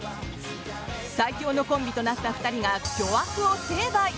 最凶のコンビとなった２人が巨悪を成敗。